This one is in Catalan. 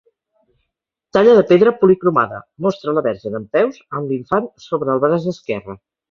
Talla de pedra policromada, mostra la Verge dempeus amb l'Infant sobre el braç esquerre.